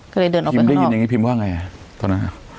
ก็เลยเดินออกไปข้างนอกพิมได้ยินอย่างนี้พิมว่าไงตอนนั้น